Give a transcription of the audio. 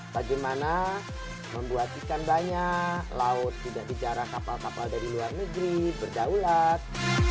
bagaimana membuat ikan banyak laut tidak dijarah kapal kapal dari luar negeri berdaulat